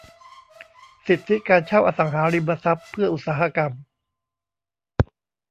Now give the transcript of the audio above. สิทธิการเช่าอสังหาริมทรัพย์เพื่ออุตสาหกรรม